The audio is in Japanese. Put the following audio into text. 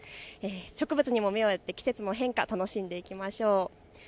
植物にも目をやって季節の変化を楽しみましょう。